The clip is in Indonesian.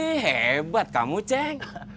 eh hebat kamu ceng